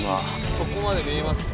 底まで見えますね。